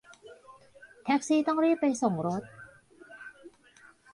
แท็กซี่ต้องรีบไปส่งรถ